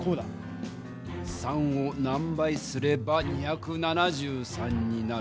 ３を何倍すれば２７３になる？